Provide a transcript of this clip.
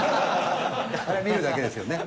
あれは見るだけですよね。